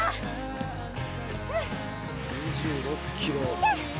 いけ！